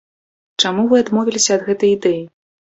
Чаму вы адмовіліся ад гэтай ідэі?